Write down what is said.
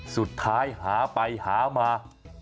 สุดท้ายหาไปหามา